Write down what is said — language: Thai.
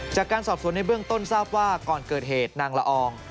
จากการสอบสวนในเบื้องต้นทราบว่าก่อนเกิดเหตุนางละออง